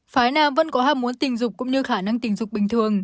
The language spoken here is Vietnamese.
phái nam vẫn có ham muốn tình dục cũng như khả năng tình dục bình thường